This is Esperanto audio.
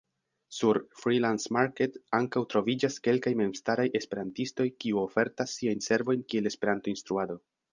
Sur Freelance-Market ankaŭ troviĝas kelkaj memstaraj Esperantistoj kiu ofertas siajn servojn kiel Esperanto-instruado.